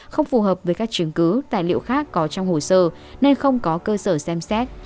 không phù hợp với các chứng cứ tài liệu khác có trong hồ sơ nên không có cơ sở xem xét